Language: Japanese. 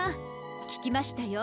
ききましたよ